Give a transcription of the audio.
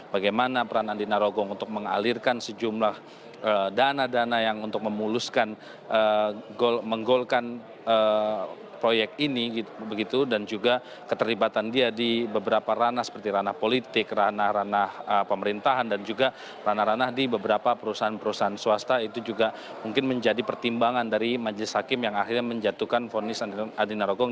bagaimana peran andi narogong untuk mengalirkan sejumlah dana dana yang untuk memuluskan menggolkan proyek ini dan juga keterlibatan dia di beberapa ranah seperti ranah politik ranah ranah pemerintahan dan juga ranah ranah di beberapa perusahaan perusahaan swasta itu juga mungkin menjadi pertimbangan dari majelis hakim yang akhirnya menjatuhkan fonis andi narogong